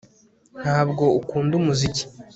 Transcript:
Ntabwo ukunda umuziki